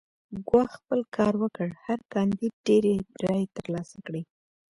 ګواښ خپل کار وکړ هر کاندید ډېرې رایې ترلاسه کړې.